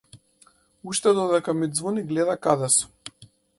Уште додека ми ѕвони гледа каде сум.